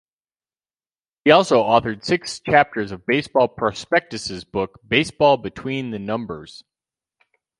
He also authored six chapters of Baseball Prospectus's book "Baseball Between the Numbers".